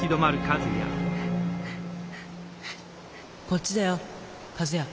こっちだよ和也。